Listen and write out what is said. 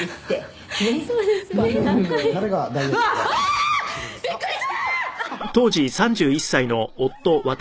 「ああーびっくりした」